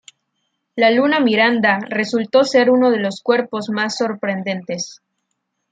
La luna Miranda resultó ser uno de los cuerpos más sorprendentes.